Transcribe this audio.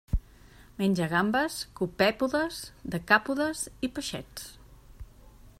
Menja gambes, copèpodes, decàpodes i peixets.